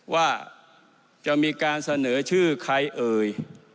ว่าจะมีการเสนอชื่อใครเอ่ย